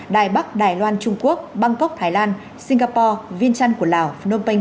đài bắc đài loan trung quốc bangkok thái lan singapore vientiane của lào phnom penh